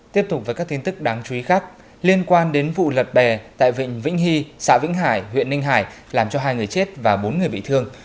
tiếp tục với các tin tức đáng chú ý khác liên quan đến vụ lật bè tại vịnh vĩnh hy xã vĩnh hải huyện ninh hải làm cho hai người chết và bốn người bị thương